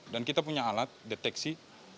dan kita punya alat deteksi